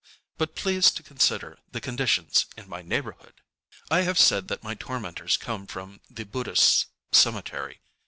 ŌĆØ ...But please to consider the conditions in my neighborhood! I have said that my tormentors come from the Buddhist cemetery.